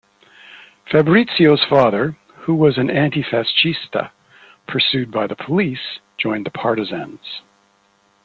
Fabrizio's father, who was an "antifascista" pursued by the police, joined the partisans.